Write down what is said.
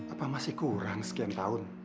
apa masih kurang sekian tahun